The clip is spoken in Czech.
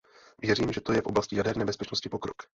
Věřím, že to je v oblasti jaderné bezpečnosti pokrok.